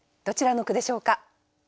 どちらの句でしょうか？